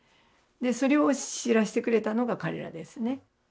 それを知らしてくれたのが彼らですね。